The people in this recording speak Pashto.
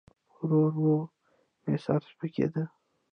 ورو ورو مې سر سپکېده.